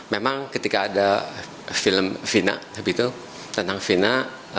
memang ketika ada film fina sebegitu tentang fina